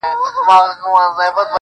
زما ونه له تا غواړي راته.